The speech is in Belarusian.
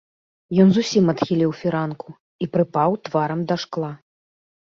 Ён зусім адхіліў фіранку і прыпаў тварам да шкла.